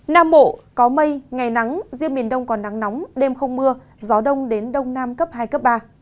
nam bộ có mây ngày nắng riêng miền đông còn nắng nóng đêm không mưa gió đông đến đông nam cấp hai cấp ba